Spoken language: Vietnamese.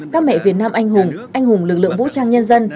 các mẹ việt nam anh hùng anh hùng lực lượng vũ trang nhân dân